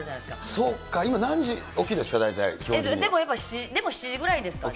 そっか、今、何時起きですか、でも７時、でも、７時くらいですかね。